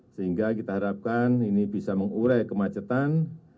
sehingga kita harapkan ini bisa mengurai kemacetan